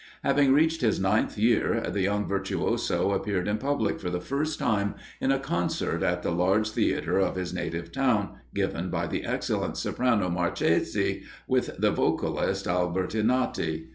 Having reached his ninth year, the young virtuoso appeared in public, for the first time, in a concert at the large theatre of his native town, given by the excellent soprano Marchesi, with the vocalist Albertinatti.